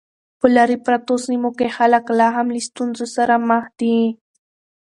په لیرې پرتو سیمو کې خلک لا هم له ستونزو سره مخ دي.